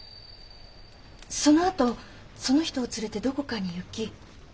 そのあとその人を連れてどこかに行き。